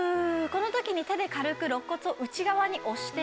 この時に手で軽くろっ骨を内側に押していきます。